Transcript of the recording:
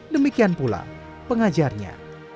demikian pula pengajarnya